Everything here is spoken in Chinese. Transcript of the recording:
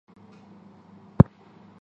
附近有里扬机场。